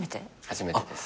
初めてです。